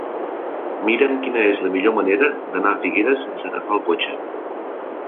Mira'm quina és la millor manera d'anar a Figueres sense agafar el cotxe.